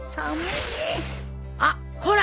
あっこら！